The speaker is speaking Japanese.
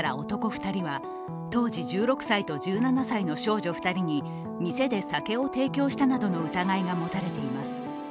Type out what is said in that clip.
２人は当時１６歳と１７歳の少女２人に店で酒を提供したなどの疑いが持たれています。